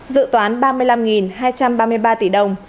dự toán ba mươi năm hai trăm ba mươi ba tỷ đồng